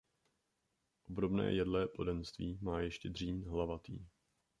Obdobné jedlé plodenství má ještě dřín hlavatý.